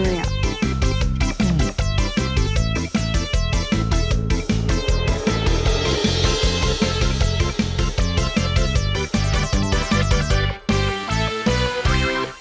นี่คือลองปลอม